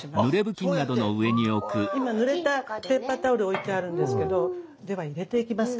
今ぬれたペーパータオル置いてあるんですけどでは入れていきます。